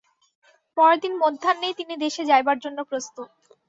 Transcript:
পরদিন মধ্যাহ্নেই তিনি দেশে যাইবার জন্য প্রস্তুত।